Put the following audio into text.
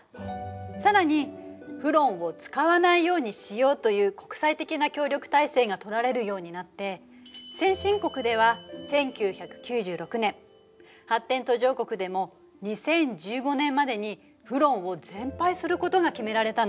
さらにフロンを使わないようにしようという国際的な協力体制が取られるようになって先進国では１９９６年発展途上国でも２０１５年までにフロンを全廃することが決められたの。